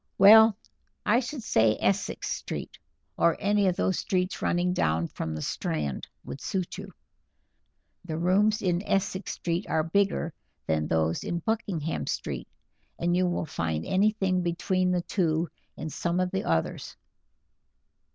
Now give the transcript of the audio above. Well, I should say Essex Street, or any of those streets running down from the Strand, would suit you. The rooms in Essex Street are bigger than those in Buckingham Street, and you will find anything between the two in some of the others.